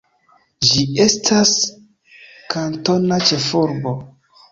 Ĝi estas kantona ĉefurbo.